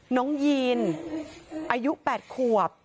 น้องยีนอายุ๘ขวบ